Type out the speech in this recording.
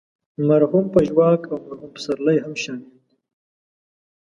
مرحوم پژواک او مرحوم پسرلی هم شامل دي.